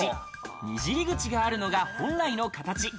にじり口があるのが本来の形。